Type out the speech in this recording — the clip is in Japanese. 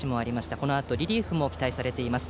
このあとリリーフも期待されています。